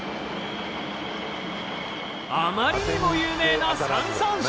あまりにも有名な３三振。